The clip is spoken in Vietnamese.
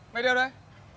mày đi đâu đây